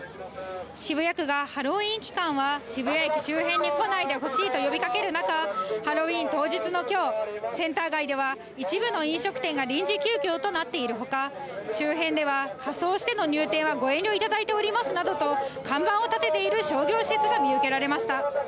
渋谷区がハロウィーン期間は、渋谷駅周辺に来ないでほしいと呼びかける中、ハロウィーン当日のきょう、センター街では、一部の飲食店が臨時休業となっているほか、周辺では、仮装しての入店はご遠慮いただいておりますなどと、看板を立てている商業施設が見受けられました。